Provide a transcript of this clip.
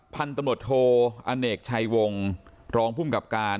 พันตำรดโทอเนกชัยวงรองพุ่มกับการ